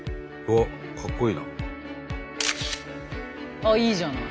あっいいじゃない。